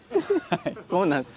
そうなんです？